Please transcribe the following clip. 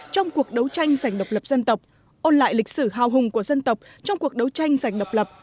trong cuộc đấu tranh giành độc lập dân tộc ôn lại lịch sử hào hùng của dân tộc trong cuộc đấu tranh giành độc lập